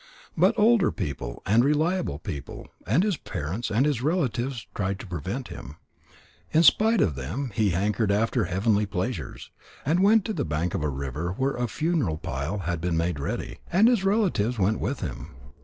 But older people and reliable people and his parents and his relatives tried to prevent him. In spite of them he hankered after heavenly pleasures, and went to the bank of a river where a funeral pile had been made ready. And his relatives went with him.